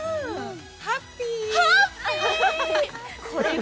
ハッピー。